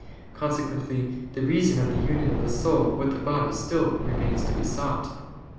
Consequently the reason of the union of the soul with the body still remains to be sought.